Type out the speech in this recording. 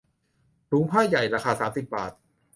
ถุงผ้าใหญ่ ราคาสามสิบบาท